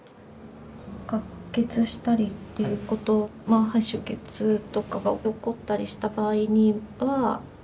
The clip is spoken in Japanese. かっ血したりっていうことは肺出血とかが起こったりした場合には。